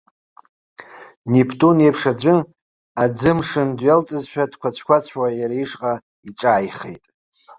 Нептун еиԥш аӡәы, аӡы-мшын дҩалҵызшәа дқәацә-қәацәуа иара ишҟа иҿааихеит.